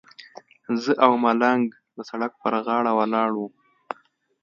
زه او ملنګ د سړک پر غاړه ولاړ وو.